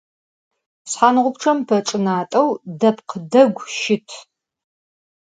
Şshanğupççem peçç'ınat'eu depkh değu şıt.